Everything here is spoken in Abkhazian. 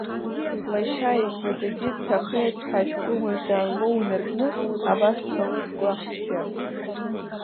Лашьа, аиҵыбӡагьы дҭахеит ҳәа ашәҟәы мыжда анлоу инаркны, абас дҟалеит, гәаҟцәгьа.